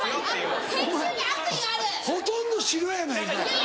お前ほとんど白やないかい。